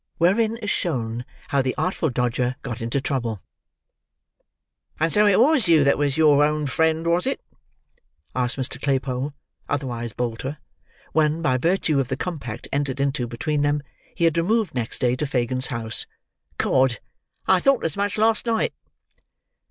WHEREIN IS SHOWN HOW THE ARTFUL DODGER GOT INTO TROUBLE "And so it was you that was your own friend, was it?" asked Mr. Claypole, otherwise Bolter, when, by virtue of the compact entered into between them, he had removed next day to Fagin's house. "Cod, I thought as much last night!"